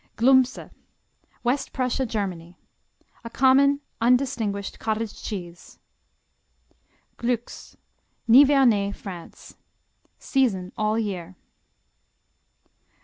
Glumse West Prussia, Germany A common, undistinguished cottage cheese. Glux Nivernais, France Season, all year.